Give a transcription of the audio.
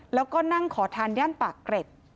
แล้วก็นั่งขอทานย่านปากเกร็ด